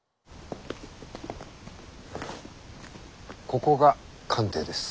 ここが官邸です。